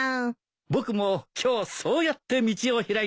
僕も今日そうやって道を開いたんだ。